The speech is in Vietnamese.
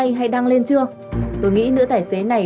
vẫn còn là dư âm